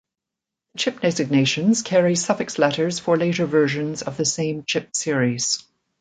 The chip designations carry suffix letters for later versions of the same chip series.